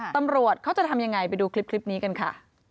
ตำรวจเขาจะทำยังไงไปดูคลิปนี้กันค่ะ